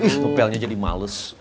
tapi dipelnya jadi males